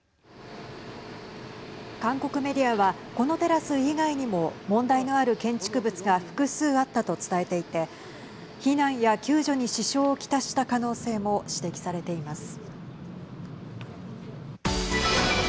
韓国メディアはこのテラス以外にも問題のある建築物が複数あったと伝えていて避難や救助に支障をきたした可能性も指摘されています。